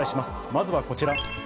まずはこちら。